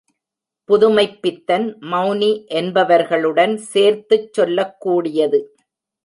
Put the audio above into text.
புதுமைப்பித்தன், மெளனி என்பவர்களுடன் சேர்த்துச் சொல்லக்கூடியது.